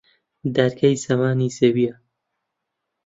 دادگای زەمانی زەویە